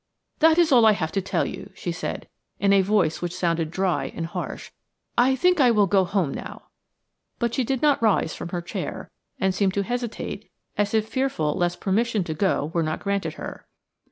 "That is all I have to tell you," she said, in a voice which sounded dry and harsh. "I think I will go home now." But she did not rise from her chair, and seemed to hesitate as if fearful lest permission to go were not granted her.